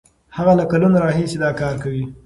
هغه له کلونو راهیسې دا کار کوي.